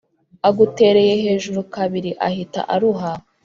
agutereye hejuru kabiri ahita aruha